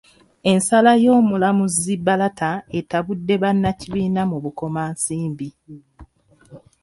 Ensala y'omulamuzi Barata etabudde bannakibiina mu Bukomansimbi